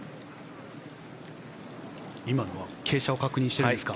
今のは傾斜を確認しているんですか